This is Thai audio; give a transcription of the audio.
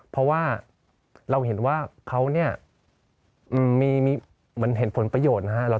เพราะว่าเราเห็นว่าเขาเนี่ยมีเหมือนเห็นผลประโยชน์นะฮะ